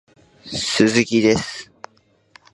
鈴木です